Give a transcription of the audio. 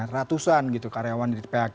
ratusan gitu karyawan di phk